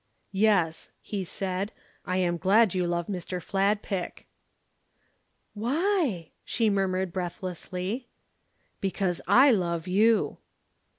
"Yes," he said, "I am glad you love Mr. Fladpick." "Why?" she murmured breathlessly. "Because I love you."